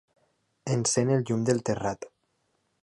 Encén el llum del terrat.